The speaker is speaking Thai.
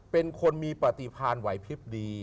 เป็นคนมีปฏิพันธ์ไหวพลิบดี